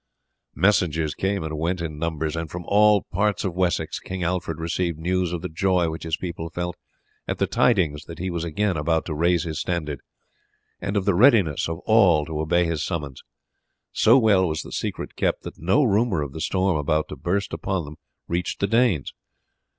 Messengers came and went in numbers, and from all parts of Wessex King Alfred received news of the joy which his people felt at the tidings that he was again about to raise his standard, and of the readiness of all to obey his summons. So well was the secret kept that no rumour of the storm about to burst upon them reached the Danes.